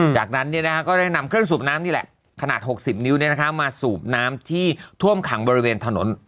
จากนั้นก็ได้นำเครื่องสูบน้ำนี่แหละขนาด๖๐นิ้วมาสูบน้ำที่ท่วมขังบริเวณถนน